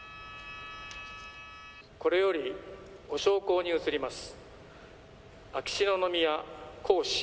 これよりご焼香に移ります。